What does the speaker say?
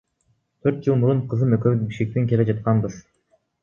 Төрт жыл мурун кызым экөөбүз Бишкектен келе жатканбыз.